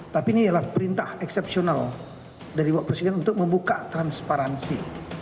tapi ini adalah perintah eksepsional dari bapak presiden untuk membuka transparansi